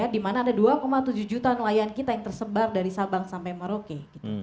di mana ada dua tujuh juta nelayan kita yang tersebar dari sabang sampai merauke